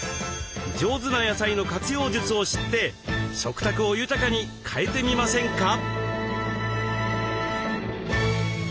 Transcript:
上手な野菜の活用術を知って食卓を豊かに変えてみませんか？